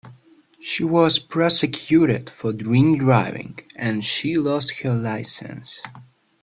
She was prosecuted for drink-driving, and she lost her licence